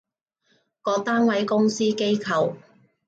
各單位，公司，機構